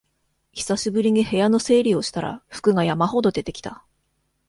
久しぶりに部屋の整理をしたら服が山ほど出てきた